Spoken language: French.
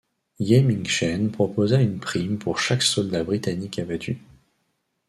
Ye Mingchen proposa une prime pour chaque soldat britannique abattu.